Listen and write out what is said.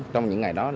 trong những ngày đó